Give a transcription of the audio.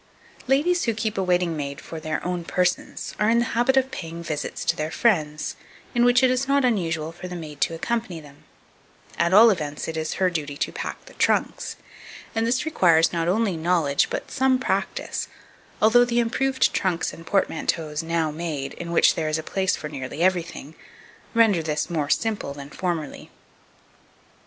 2279. Ladies who keep a waiting maid for their own persons are in the habit of paying visits to their friends, in which it is not unusual for the maid to accompany them; at all events, it is her duty to pack the trunks; and this requires not only knowledge but some practice, although the improved trunks and portmanteaus now made, in which there is a place for nearly everything, render this more simple than formerly.